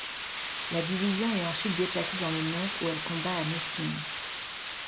La division est ensuite déplacée dans le Nord où elle combat à Messines.